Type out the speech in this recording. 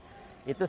satunya di dunia